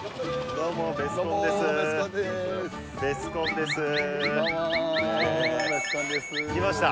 どうもベスコンです来ました